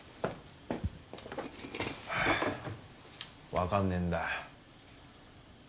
わかんねえんだ。